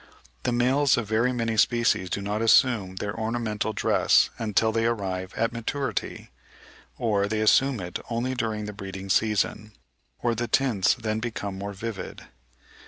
The males of very many species do not assume their ornamental dress until they arrive at maturity, or they assume it only during the breeding season, or the tints then become more vivid.